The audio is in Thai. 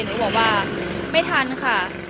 หนูก็บอกว่าไม่ทันค่ะ